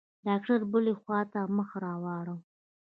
ډاکتر بلې خوا ته مخ واړاوه.